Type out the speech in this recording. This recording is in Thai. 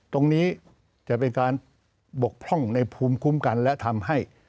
ตรงนี้จะเป็นการบกพร่องในภูมิคุ้มกันและทำให้